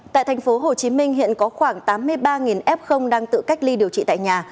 tại tp hcm hiện có khoảng tám mươi ba f đang tự cách ly điều trị tại nhà